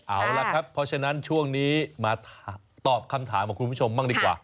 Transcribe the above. เอาล่ะครับเพราะฉะนั้นช่วงนี้มาตอบคำถามของคุณผู้ชมบ้างดีกว่า